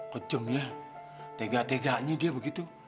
kejem ya tegak tegaknya dia begitu